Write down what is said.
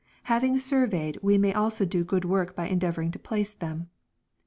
Having surveyed we may also do good work by endeavouring to place them.